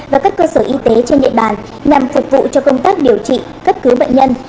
và các cơ sở y tế trên địa bàn nhằm phục vụ cho công tác điều trị cấp cứu bệnh nhân